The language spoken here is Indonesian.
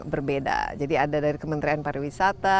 berbeda jadi ada dari kementerian pariwisata